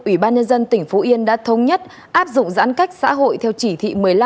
ủy ban nhân dân tỉnh phú yên đã thống nhất áp dụng giãn cách xã hội theo chỉ thị một mươi năm